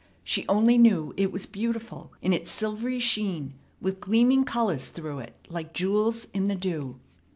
She only knew it was beautiful in its silvery sheen with gleaming colors through it like jewels in the dew.